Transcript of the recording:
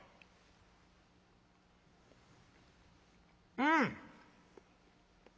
「うん！」。